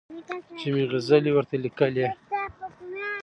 چي مي غزلي ورته لیکلې